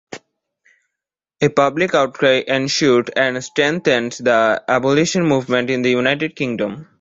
A public outcry ensued and strengthened the abolition movement in the United Kingdom.